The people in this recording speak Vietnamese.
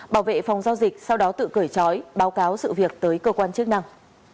bảo vệ phòng giao dịch sau đó tự cởi trói báo cáo sự việc tới cơ quan chức năng